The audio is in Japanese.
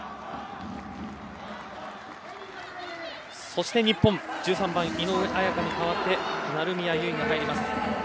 そして日本１３番の井上綾香に代わって成宮唯が入ります。